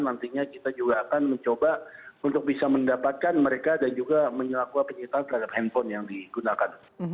nantinya kita juga akan mencoba untuk bisa mendapatkan mereka dan juga melakukan penyitaan terhadap handphone yang digunakan